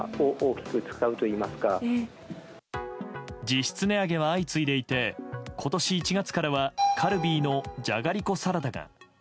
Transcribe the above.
実質値上げは相次いでいて今年１月からはカルビーのじゃがりこサラダが。